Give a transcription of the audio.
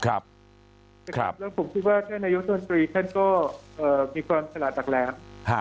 แล้วผมคิดว่าท่านนายกรัฐมนตรีท่านก็มีความฉลาดตักแหลม